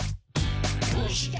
「どうして？